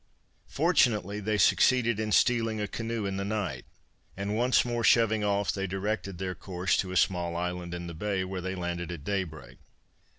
Fortunately they succeeded in stealing a canoe in the night, and once more shoving off, they directed their course to a small island in the bay, where they landed at daybreak.